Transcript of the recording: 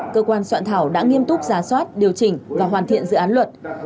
cơ quan soạn thảo đã nghiêm túc giá soát điều chỉnh và hoàn thiện dự án luật